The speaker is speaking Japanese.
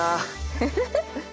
フフフッ。